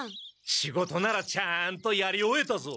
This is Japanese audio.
仕事ならちゃんとやり終えたぞ！